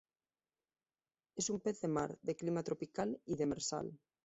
Es un pez de mar, de clima tropical y demersal.